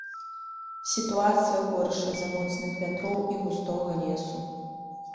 Сітуацыя горшае з-за моцных вятроў і густога лесу.